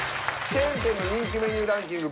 チェーン店の人気メニューランキング